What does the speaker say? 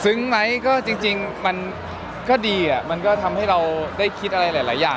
ไหมก็จริงมันก็ดีอ่ะมันก็ทำให้เราได้คิดอะไรหลายอย่าง